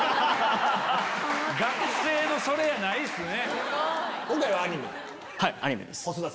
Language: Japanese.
学生のそれやないっすね。